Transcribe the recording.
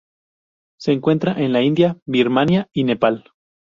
Se encuentra en la India, Birmania y Nepal.